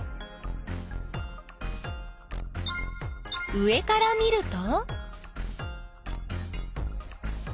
上から見ると？